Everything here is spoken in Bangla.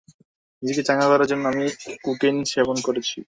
নিজেকে চাঙ্গা করার জন্য আমি কোকেইন সেবন করেছি।